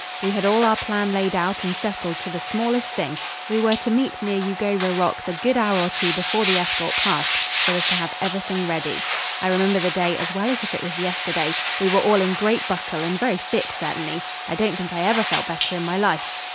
We had all our plan laid out and settled to the smallest thing. We were to meet near Eugowra Rocks a good hour or two before the escort passed, so as to have everything ready. I remember the day as well as if it was yesterday. We were all in great buckle and very fit, certainly. I don't think I ever felt better in my life.